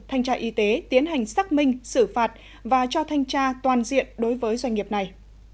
thanh tra y tế tiến hành xác minh xử phạt và cho thanh tra toàn diện đối với doanh nghiệp này